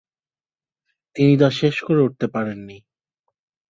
তিনি তা শেষ করে উঠতে পারেননি।